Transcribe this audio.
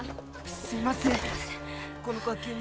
すみません。